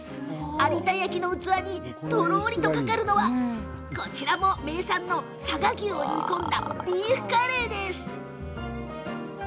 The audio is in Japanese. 有田焼の器にとろりとかかるのは名産の佐賀牛を煮込んだビーフカレー。